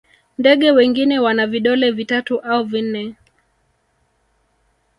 ndege wengine wana vidole vitatu au vinne